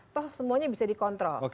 toh semuanya bisa dikontrol